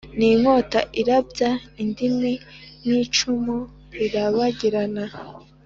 n’inkota irabya indimi n’icumu rirabagirana